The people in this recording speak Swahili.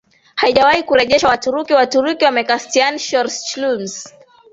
haijawahi kurejeshwa Waturuki Waturuki wa Meskhetian Shors Chulyms